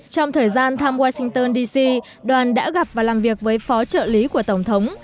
trong thời gian thăm washington dc đoàn đã gặp và làm việc với phó trợ lý của tổng thống